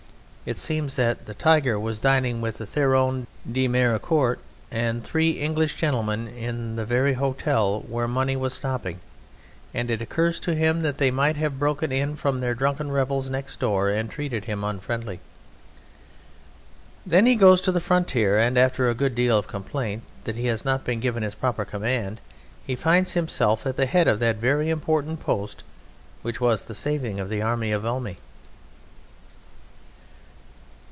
It seems that the "Tyger" was dining with Théroigne de Méricourt and three English gentlemen in the very hotel where Money was stopping, and it occurs to him that they might have broken in from their drunken revels next door and treated him unfriendly. Then he goes to the frontier, and after a good deal of complaint that he has not been given his proper command he finds himself at the head of that very important post which was the saving of the Army of Valmy.